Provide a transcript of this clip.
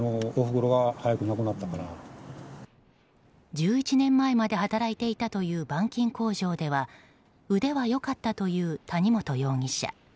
１１年前まで働いていたという板金工場では腕は良かったという谷本容疑者。